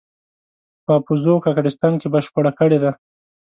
په اپوزو کاکړستان کې بشپړه کړې ده.